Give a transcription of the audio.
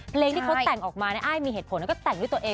เพลงที่เขาแต่งออกมาในอ้ายมีเหตุผลแล้วก็แต่งด้วยตัวเอง